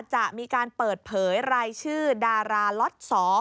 จะมีการเปิดเผยรายชื่อดาราล็อต๒